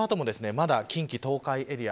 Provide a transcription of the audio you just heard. まだ近畿、東海エリア